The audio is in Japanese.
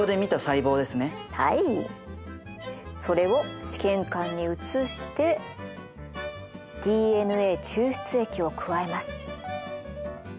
それを試験管に移してＤＮＡ抽出液を加えます。